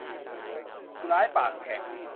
ผู้ร้ายปากแข็ง